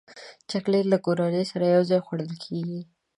چاکلېټ له کورنۍ سره یوځای خوړل کېږي.